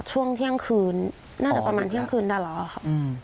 ช่วงเที่ยงคืนน่าจะประมาณเที่ยงคืนได้แล้วอะค่ะ